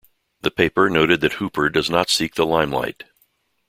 The paper noted that Hooper does not seek the limelight.